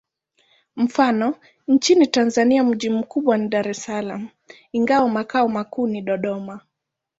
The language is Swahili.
Mfano: nchini Tanzania mji mkubwa ni Dar es Salaam, ingawa makao makuu ni Dodoma.